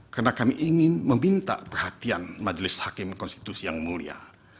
karena kami ingin meminta perhatian majelis hakim konstitusi yang mulia